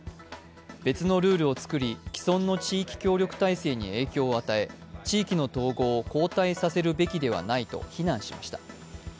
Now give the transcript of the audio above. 別のルールを作り、既存の地域協力体制に影響を与え、地域の統合を後退させるべきではないと非難しました。